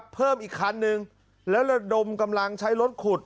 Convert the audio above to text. เพิ่มอีกคันนึงแล้วระดมกำลังใช้รถขุด